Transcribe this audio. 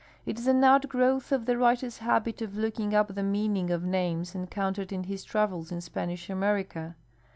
It is an outgrowth of the writer's hal)it of looking up the meaning of names encountered in his travels in S}>anish America.